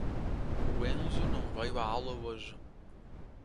O Enzo não veio à aula hoje.